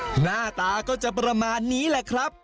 หน้าตาก็จะประมาณนี้แหละครับ